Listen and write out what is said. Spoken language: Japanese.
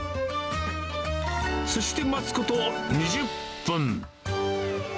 そして待つこと２０分。